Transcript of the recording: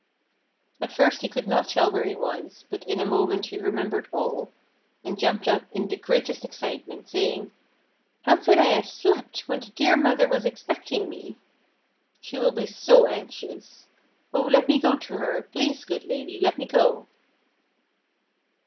At first he could not tell where he was, but in a moment he remembered all, and jumped up in the greatest excitement, saying, "How could I have slept, when the dear mother was expecting me? She will be so anxious. Oh, let me go to her! Please, good lady, let me go!"